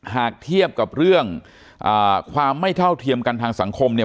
หากเทียบกับเรื่องความไม่เท่าเทียมกันทางสังคมเนี่ย